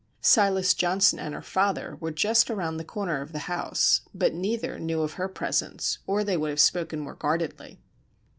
Silas Johnson and her father were just around the corner of the house, but neither knew of her presence or they would have spoken more guardedly.